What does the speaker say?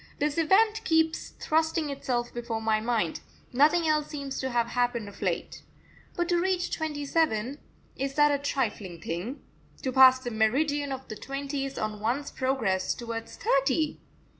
This event keeps thrusting itself before my mind nothing else seems to have happened of late. But to reach twenty seven is that a trifling thing? to pass the meridian of the twenties on one's progress towards thirty?